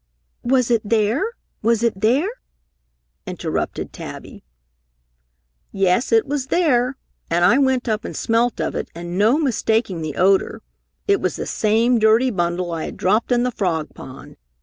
"Was it there? Was it there?" interrupted Tabby. "Yes, it was there, and I went up and smelt of it and no mistaking the odor, it was the same dirty bundle I had dropped in the frog pond!